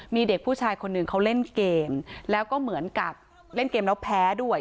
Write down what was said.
มีเด็กผู้ชายคนหนึ่งเขาเล่นเกมแล้วก็เหมือนกับเล่นเกมแล้วแพ้ด้วย